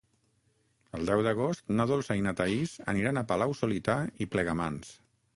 El deu d'agost na Dolça i na Thaís aniran a Palau-solità i Plegamans.